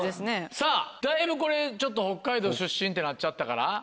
さぁだいぶこれちょっと北海道出身ってなっちゃったかな。